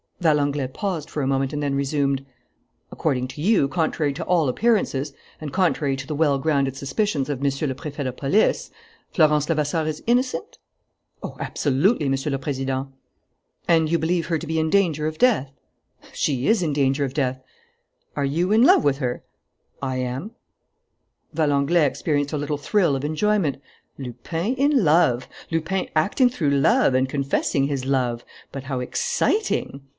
Valenglay paused for a moment and then resumed: "According to you, contrary to all appearances, and contrary to the well grounded suspicions of Monsieur le Préfet de Police, Florence Levasseur is innocent?" "Oh, absolutely, Monsieur le Président!" "And you believe her to be in danger of death?" "She is in danger of death." "Are you in love with her?" "I am." Valenglay experienced a little thrill of enjoyment. Lupin in love! Lupin acting through love and confessing his love! But how exciting!